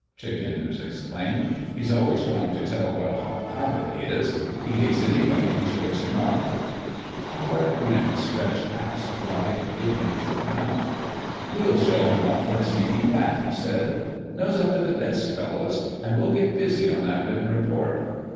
Chick Enders exclaimed. "He's always trying to tell what a hot pilot he is. He hates anybody who shows him up." A hard grin stretched Hap's wide, good natured mouth. [Illustration: Smoke Drifted Through a Crack in the Drawer] "We'll show him up for a sneaking rat," he said. "Nose up to the desk, fellows, and we'll get busy on that written report...."